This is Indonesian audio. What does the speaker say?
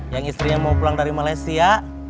yang istrinya mau pulang dari malaysia